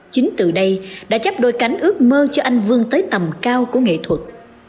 chính từ đây đã chấp đôi cánh ước mơ cho anh vương tới tầm cao của nghệ thuật